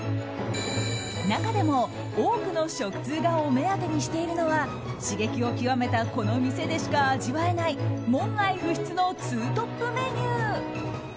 中でも、多くの食通がお目当てにしているのは刺激を極めたこの店でしか味わえない門外不出のツートップメニュー。